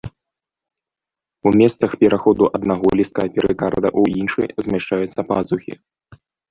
У месцах пераходу аднаго лістка перыкарда ў іншы змяшчаюцца пазухі.